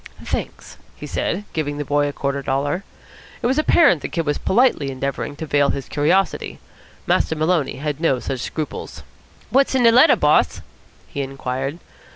"Thanks," he said, giving the boy a quarter dollar. It was apparent the Kid was politely endeavouring to veil his curiosity. Master Maloney had no such scruples. "What's in de letter, boss?" he inquired.